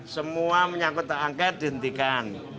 semua penyakit angkat dihentikan